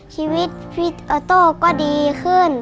ชีวิตพี่ออโต้ก็ดีขึ้น